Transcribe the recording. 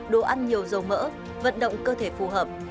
đồ ăn nhiều dầu mỡ vận động cơ thể phù hợp